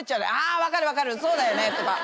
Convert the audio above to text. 分かる分かるそうだよねとか。